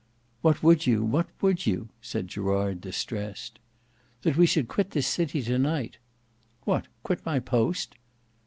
"What would you, what would you?" said Gerard, distressed. "That we should quit this city to night." "What, quit my post?"